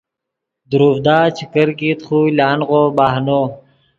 دروڤدا چے کرکیت خو لانغو بہنو